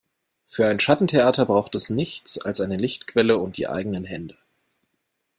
Für ein Schattentheater braucht es nichts als eine Lichtquelle und die eigenen Hände.